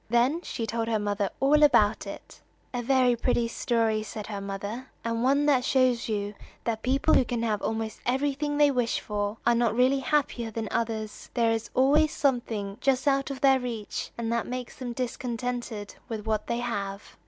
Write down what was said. Then she told her mother all about it. "A very pretty story," said her mother, "and one that shows you that people who can have almost everything they wish for, are not really happier than others. There is always something just out of their reach, and that makes them discontented with what they have."